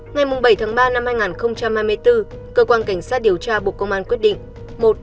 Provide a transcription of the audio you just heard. ngày bảy tháng ba năm hai nghìn hai mươi bốn cơ quan cảnh sát điều tra bộ công an quyết định